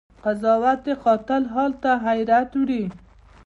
قضاوت د قاتل حال ته حيرت وړی